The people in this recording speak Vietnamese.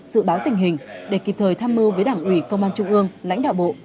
dự báo tình hình để kịp thời tham mưu với đảng ủy công an trung ương lãnh đạo bộ